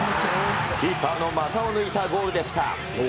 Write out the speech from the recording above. キーパーの股を抜いたゴールでした。